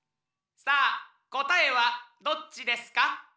さあこたえはどっちですか？